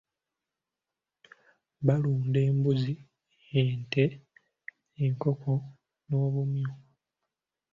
Balunda embuzi, ente, enkoko n'obumyu.